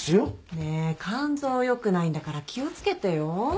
ねえ肝臓良くないんだから気を付けてよ。